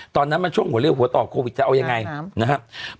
ตอนนั้นมันช่วงหัวเลือกหัวต่อโควิดจะเอายังไงนะครับ